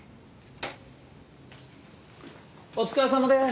お疲れさまです。